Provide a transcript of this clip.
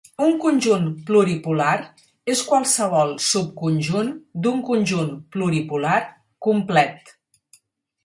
Un "conjunt pluripolar" és qualsevol subconjunt d'un conjunt pluripolar complet.